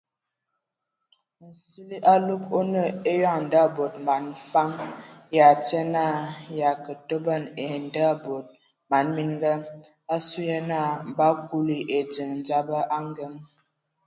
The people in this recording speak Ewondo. Nsili alug o nə eyɔŋ nda bod man fam ya tie na ya kə toban ai ndabod man mininga asu ye na bə kuli ediŋ dzaba a ngəŋ.